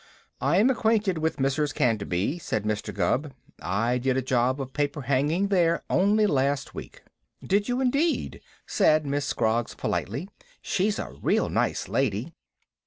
"I am acquainted with Mrs. Canterby," said Mr. Gubb. "I did a job of paper hanging there only last week." "Did you, indeed?" said Miss Scroggs politely. "She's a real nice lady."